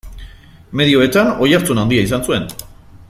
Medioetan oihartzun handia izan zuen.